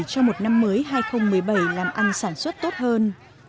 để có một năm mới hai nghìn một mươi bảy làm ăn sản xuất tốt hơn